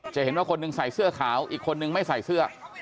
จะเห็นว่าคนหนึ่งใส่เสื้อขาวอีกคนนึงไม่ใส่เสื้อ